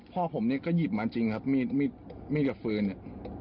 พ่อผมเนี่ยก็หยิบมาจริงครับมีดมีดกับฟืนเนี่ย